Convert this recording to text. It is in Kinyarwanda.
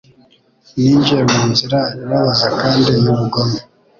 Ninjiye munzira ibabaza kandi yubugome